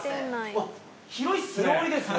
広いっすね。